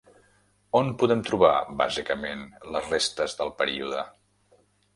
On podem trobar, bàsicament, les restes del període?